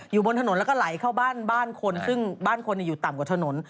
อยู่บนถนนแล้วก็ไหลเข้าบ้านบ้านคนซึ่งบ้านคนอยู่ต่ำกว่าถนน